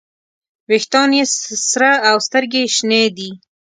ویښتان یې سره او سترګې یې شنې دي.